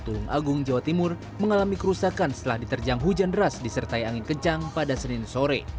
tulung agung jawa timur mengalami kerusakan setelah diterjang hujan deras disertai angin kencang pada senin sore